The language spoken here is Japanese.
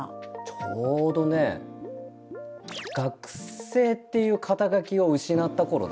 ちょうどね学生っていう肩書を失った頃だ。